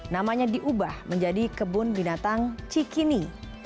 namanya diubah menjadi kebun binatang cikini